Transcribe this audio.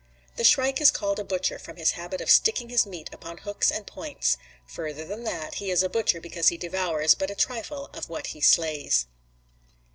The shrike is called a butcher from his habit of sticking his meat upon hooks and points; further than that, he is a butcher because he devours but a trifle of what he slays.